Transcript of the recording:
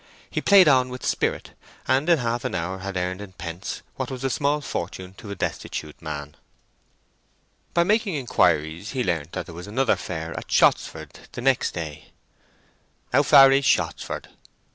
He played on with spirit, and in half an hour had earned in pence what was a small fortune to a destitute man. By making inquiries he learnt that there was another fair at Shottsford the next day. "How far is Shottsford?"